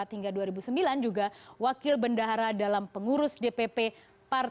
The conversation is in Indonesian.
dua ribu empat hingga dua ribu sembilan juga wakil bendahara dalam pengurus dpr